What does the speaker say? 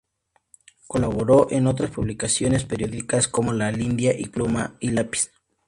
Colaboró en otras publicaciones periódicas como "La Lidia" y "Pluma y Lápiz".